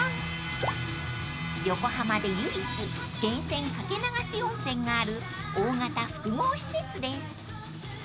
［横浜で唯一源泉掛け流し温泉がある大型複合施設です］